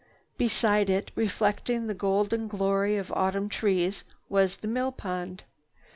Beside it, reflecting the golden glory of autumn trees, was the millpond.